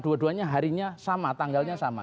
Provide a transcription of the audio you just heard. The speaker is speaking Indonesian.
dua duanya harinya sama tanggalnya sama